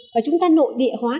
và chúng ta nội địa hóa